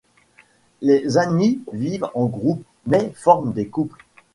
Les Anis vivent en groupe mais forment des couples.